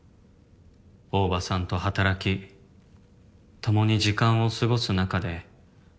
「大庭さんと働き」「共に時間を過ごす中で」